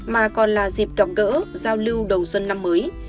mà còn là dịp gặp gỡ giao lưu đầu xuân năm mới